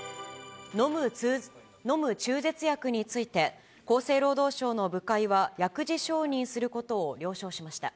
飲む中絶薬について、厚生労働省の部会は薬事承認することを了承しました。